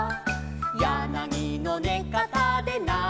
「やなぎのねかたでないている」